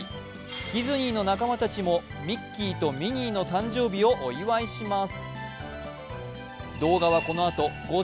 ディズニーの仲間たちも、ミッキーとミニーの誕生日をお祝いします。